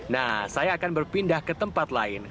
nah saya akan berpindah ke tempat lain